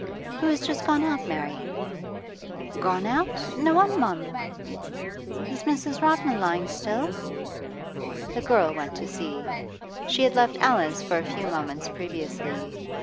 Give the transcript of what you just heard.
'Who has just gone out, Mary?' 'Gone out? No one, mum!' 'Is Mrs. Rodman lying still?' The girl went to see. She had left Alice for a few moments previously.